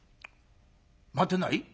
待てない？」。